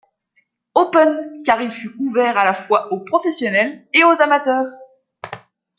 Open, car il fut ouvert à la fois aux professionnels et aux amateurs.